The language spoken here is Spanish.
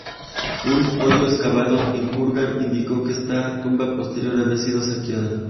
Un hoyo excavado en el kurgan indicó que esta tumba posterior había sido saqueada.